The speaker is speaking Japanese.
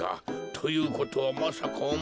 ということはまさかおまえは。